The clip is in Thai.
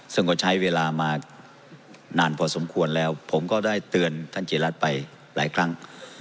ซึ่งก็ใช้เวลามานานพอสมควรแล้วผมก็ได้เตือนท่านเจรัตน์ไปหลายครั้ง